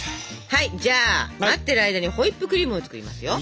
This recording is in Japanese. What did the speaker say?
はいじゃあ待ってる間にホイップクリームを作りますよ。